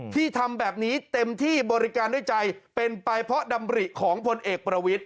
ที่ทำแบบนี้เต็มที่บริการด้วยใจเป็นไปเพราะดำริของพลเอกประวิทธิ